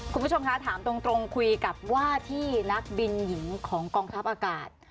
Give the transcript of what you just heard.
คุณผู้ชมคะถามตรงคุยกับว่าที่นักบินหญิงของกองทัพอากาศ